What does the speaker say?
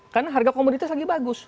karena harga komoditas lagi bagus